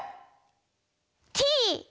Ｔ！